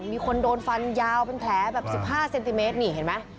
มีคนโดนฟันยาวเป็นแผลแบบ๑๕เซนติเมตรนี่เห็นไหม